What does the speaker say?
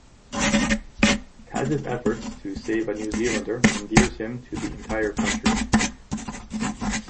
Tas' efforts to save a New Zealander endears him to the entire country.